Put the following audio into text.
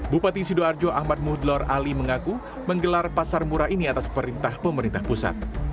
bupati sidoarjo ahmad muhdlor ali mengaku menggelar pasar murah ini atas perintah pemerintah pusat